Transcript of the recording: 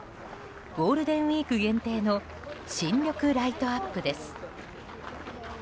ゴールデンウィーク限定の新緑ライトアップです。